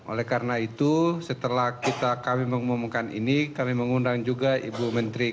oleh karena itu setelah kami mengumumkan ini kami mengundang juga ibu menteri